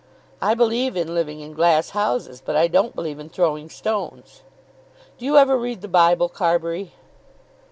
I believe in living in glass houses, but I don't believe in throwing stones. Do you ever read the Bible, Carbury?"